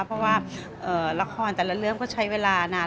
เพราะว่าละครแต่ละเรื่องก็ใช้เวลานาน